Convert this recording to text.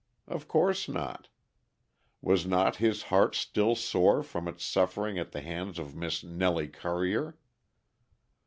Of course not. Was not his heart still sore from its suffering at the hands of Miss Nellie Currier?